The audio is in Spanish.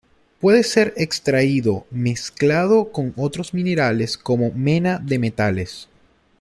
Puede ser extraído mezclado con otros minerales como mena de metales.